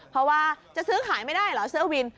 เพราะว่าจะซื้อขายไม่ได้เหรอเสื้อวิน